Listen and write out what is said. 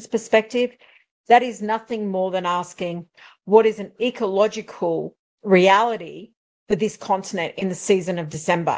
itu bukan apa apa selain menanyakan apa yang menurut saya adalah realitik ekologis untuk kontinen ini pada musim bulan desember